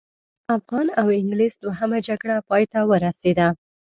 افغان او انګلیس دوهمه جګړه پای ته ورسېده.